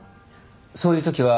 そういうときは。